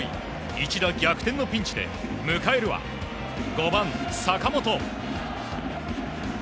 一打逆転のピンチで、迎えるは、５番坂本。